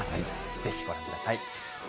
ぜひご覧ください。